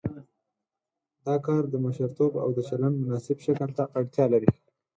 دا کار د مشرتوب او د چلند مناسب شکل ته اړتیا لري.